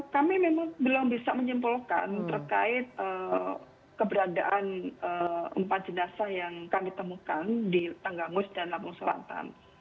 kami memang belum bisa menyimpulkan terkait keberadaan empat jenazah yang kami temukan di tanggamus dan lampung selatan